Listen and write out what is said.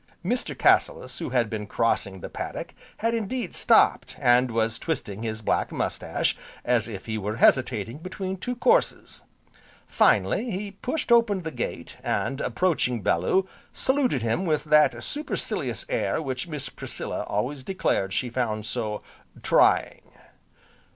Mr. Cassilis, who had been crossing the paddock, had indeed stopped, and was twisting his black moustache, as if he were hesitating between two courses. Finally, he pushed open the gate, and, approaching Bellew, saluted him with that supercilious air which Miss Priscilla always declared she found so "trying."